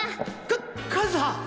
か和葉！？